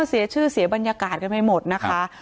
เสียชื่อเสียบรรยากาศกันไปหมดนะคะ